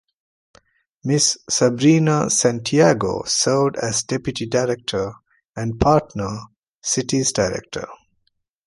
Ms. Zabrina Santiago served as Deputy Director and Partner Cities Director.